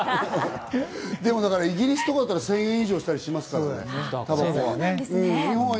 イギリスとかだったら１０００円以上したりしますから、タバコは。